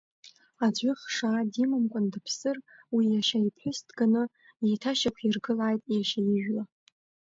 Аӡәы хшаа димамкәан дыԥсыр, уи иашьа иԥҳәыс дганы иеиҭашьақәиргылааит иашьа ижәла.